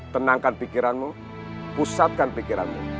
tenangkan pikiranmu pusatkan pikiranmu